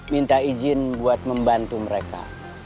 minta izin buat membantu mereka